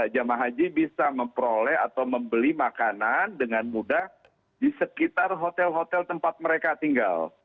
jemaah haji bisa memperoleh atau membeli makanan dengan mudah di sekitar hotel hotel tempat mereka tinggal